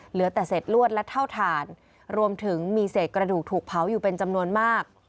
เหลือแต่เศษลวดและเท่าถ่านรวมถึงมีเศษกระดูกถูกเผาอยู่เป็นจำนวนมาก